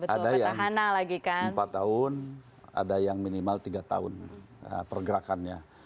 ada yang empat tahun ada yang minimal tiga tahun pergerakannya